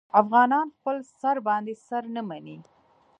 افغانان خپل سر باندې سر نه مني.